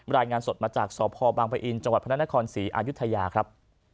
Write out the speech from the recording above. รายงานสดมาจากสพบางปะอินจังหวัดพระนครศรีอายุทยาครับ